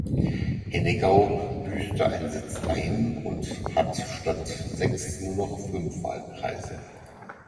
Hennegau büßte einen Sitz ein und hat statt sechs nur noch fünf Wahlkreise.